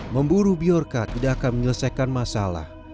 memburu biorca tidak akan menyelesaikan masalah